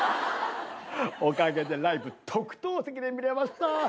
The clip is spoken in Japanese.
おかげでライブ特等席で見れました。